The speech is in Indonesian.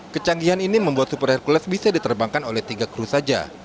kecanggihan ini membuat super hercules bisa diterbangkan oleh tiga kru saja